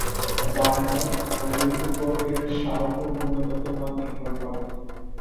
বানানোর প্রণালীর উপর এর স্বাদ ও গুণগত মান নির্ভর করে।